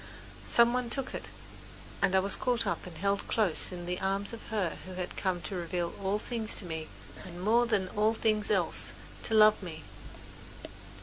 Some one took it, and I was caught up and held close in the arms of her who had come to reveal all things to me, and, more than all things else, to love me.